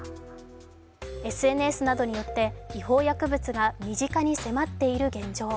ＳＮＳなどによって、違法薬物が身近に迫っている現状。